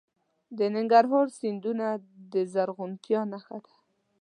د ننګرهار سیندونه د زرغونتیا نښه ده.